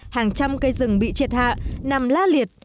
hàng trăm cây rừng bị triệt hạ nằm la liệt